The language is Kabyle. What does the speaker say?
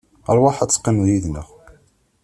Rwaḥ ad teqqimeḍ yid-neɣ.